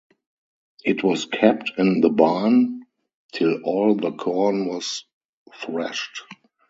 It was kept in the barn till all the corn was threshed.